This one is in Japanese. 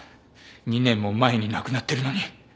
２年も前に亡くなってるのに。